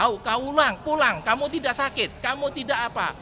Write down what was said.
oh kau ulang pulang kamu tidak sakit kamu tidak apa